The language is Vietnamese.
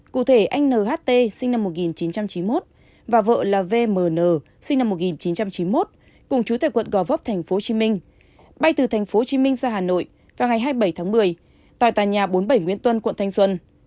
cụ thể anh nht sinh năm một nghìn chín trăm chín mươi một và vợ là vmn sinh năm một nghìn chín trăm chín mươi một cùng chú tại quận gò vấp tp hcm bay từ tp hcm ra hà nội vào ngày hai mươi bảy tháng một mươi tại tòa nhà bốn mươi bảy nguyễn tuân quận thanh xuân